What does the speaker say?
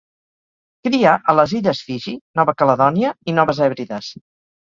Cria a les illes Fiji, Nova Caledònia i Noves Hèbrides.